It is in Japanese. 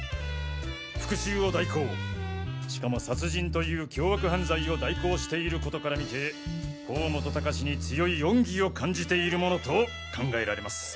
復讐を代行しかも殺人という凶悪犯罪を代行していることから見て甲本高士に強い恩義を感じている者と考えられます。